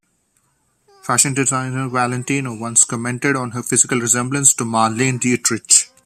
Fashion designer Valentino once commented on her physical resemblance to Marlene Dietrich.